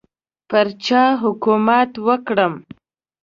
پر چا حکومت وکړم.